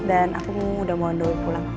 dan aku udah mau undur pulang